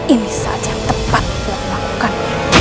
ini saja yang tepat untuk dilakukan